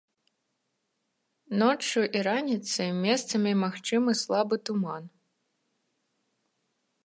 Ноччу і раніцай месцамі магчымы слабы туман.